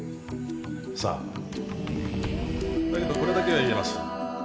さあだけどこれだけは言えます